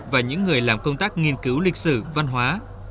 và những người làm công tác nghiên cứu lịch sử văn hóa